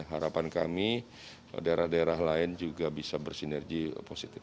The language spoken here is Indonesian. harapan kami daerah daerah lain juga bisa bersinergi positif